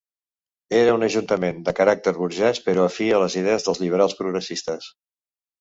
Era un ajuntament de caràcter burgès, però afí a les idees dels liberals progressistes.